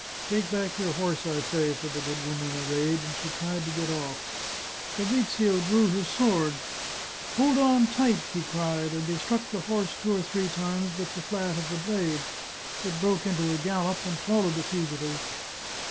" Take back your horse, I say," said the good woman in a rage, and she tried to get off. Fabrizio drew his sword. " Hold on tight !" he cried, and he struck the horse two or three times with the flat of the blade. It broke into a gallop and followed the fugitives.